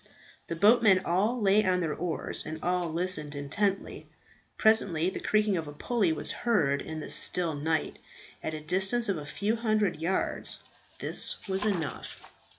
The boatmen all lay on their oars, and all listened intently. Presently the creaking of a pulley was heard in the still night, at a distance of a few hundred yards. This was enough.